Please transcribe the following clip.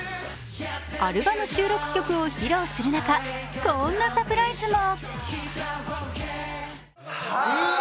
アルバム収録曲を披露する中、こんなサプライズも。